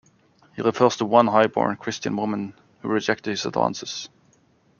He refers to one high-born Christian woman who rejected his advances.